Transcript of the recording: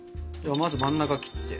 まず真ん中切って。